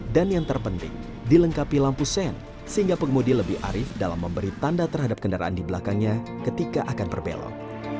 dan yang terpenting dilengkapi lampu sen sehingga penggemudi lebih arif dalam memberi tanda terhadap kendaraan di belakangnya ketika akan berbelok